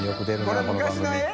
これ昔の絵？